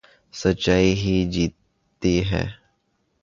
سچائی ہی جیتتی ہے